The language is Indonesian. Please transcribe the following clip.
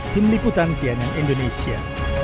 tim liputan cnn indonesia